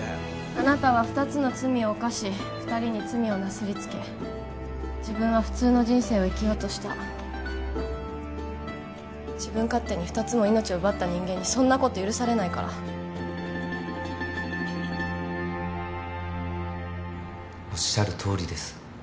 あなたは二つの罪を犯し二人に罪をなすりつけ自分は普通の人生を生きようとした自分勝手に二つも命を奪った人間にそんなこと許されないおっしゃるとおりです